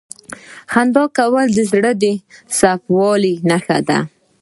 • خندا کول د زړه د صفا والي نښه ده.